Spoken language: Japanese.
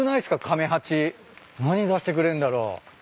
「亀八」何出してくれんだろう？